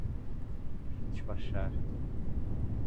despachar